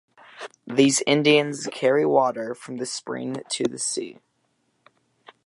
These Indians carry water from the spring to the sea.